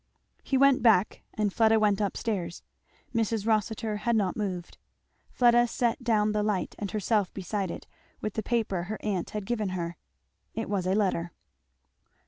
He went back, and Fieda went up stairs. Mrs. Rossitur had not moved. Fleda set down the light and herself beside it, with the paper her aunt had given her. It was a letter.